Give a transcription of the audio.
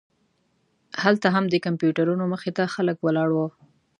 هلته هم د کمپیوټرونو مخې ته خلک ولاړ وو.